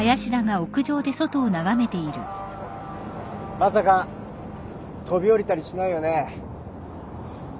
・まさか飛び降りたりしないよね？